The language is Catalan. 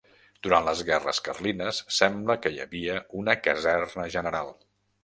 Durant les guerres carlines sembla que hi havia una Caserna General.